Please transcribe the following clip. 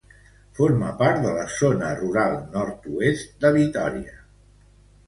Forma part de la Zona Rural Nord-oest de Vitòria.